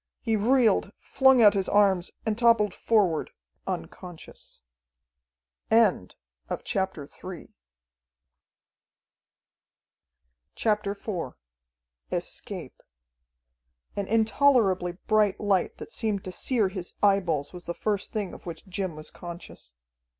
He reeled, flung out his arms, and toppled forward, unconscious.... CHAPTER IV Escape An intolerably bright light that seemed to sear his eyeballs was the first thing of which Jim was conscious.